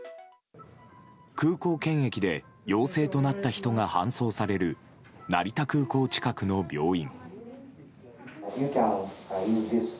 空港検疫で陽性となった人が搬送される成田空港近くの病院。